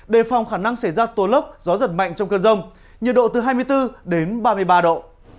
đề phòng khả năng xảy ra tố lốc gió giật mạnh trong cơn rông nhiệt độ từ hai mươi bốn đến ba mươi ba độ